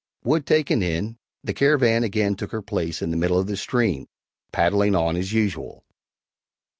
_ Wood taken in, the Caravan again took her place in the middle of the stream, paddling on as usual.